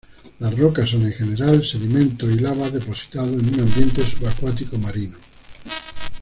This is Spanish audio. Las rocas son, en general, sedimentos y lavas depositados en un ambiente subacuático marino.